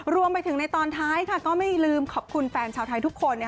รวมไปถึงในตอนท้ายก็ไม่ลืมขอบคุณแฟนชาวไทยทุกคน